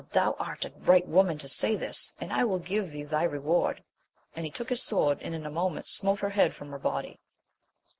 thou art a right woman to say this, and I will give thee thy re ward ! and he took his sword, and in a moment smote her head from her body.